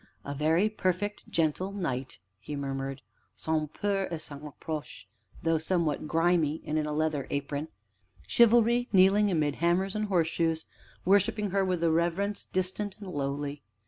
"A very perfect, gentle knight!" he murmured, "sans peur et sans reproche though somewhat grimy and in a leather apron. Chivalry kneeling amid hammers and horseshoes, worshiping Her with a reverence distant and lowly!